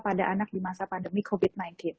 pada anak di masa pandemi covid sembilan belas